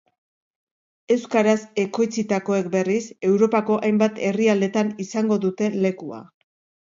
Euskaraz ekoitzitakoek berriz, Europako hainbat herrialdetan izango dute lekua.